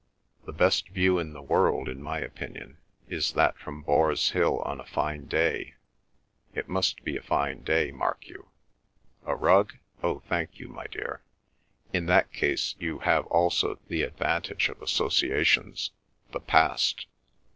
The best view in the world in my opinion is that from Boars Hill on a fine day—it must be a fine day, mark you—A rug?—Oh, thank you, my dear ... in that case you have also the advantage of associations—the Past."